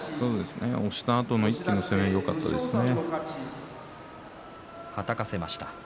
押したあとの一気のためよかったですね。